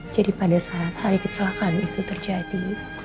pada saat hari kecelakaan itu terjadi